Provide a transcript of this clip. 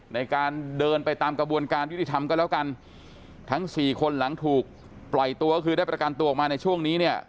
ในการเดินไปตามกระบวนการยุติธรรมก็แล้วกันทั้งสี่คนหลังถูกปล่อยตัวก็คือได้ประกันตัวออกมาในช่วงนี้เนี่ย